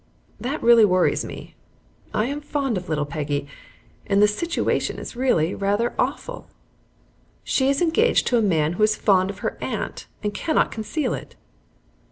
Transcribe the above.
That really worries me. I am fond of little Peggy, and the situation is really rather awful. She is engaged to a man who is fond of her aunt and cannot conceal it.